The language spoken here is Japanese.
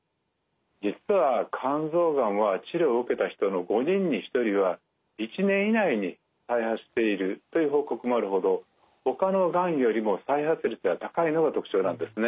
実は肝臓がんは治療を受けた人の５人に１人は１年以内に再発しているという報告もあるほどほかのがんよりも再発率が高いのが特徴なんですね。